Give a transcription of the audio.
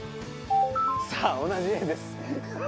さぁ同じ画です。